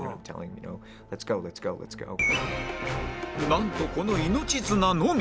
なんとこの命綱のみ